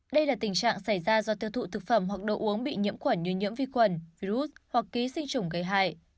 đây là tình trạng xảy ra do tiêu thụ thực phẩm hoặc đồ uống bị nhiễm khuẩn như nhiễm vi khuẩn virus hoặc ký sinh trùng gây hại